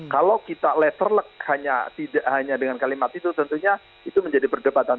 kalau kita letterleg hanya dengan kalimat itu tentunya itu menjadi perdebatan